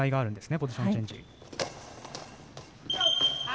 ポジションチェンジ。